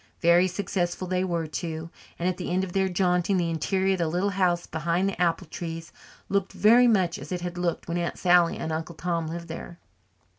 Very successful they were too, and at the end of their jaunting the interior of the little house behind the apple trees looked very much as it had looked when Aunt Sally and Uncle Tom lived there.